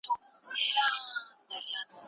که موږ ټولنه وپېژنو نو ژوند به مو ښه سي.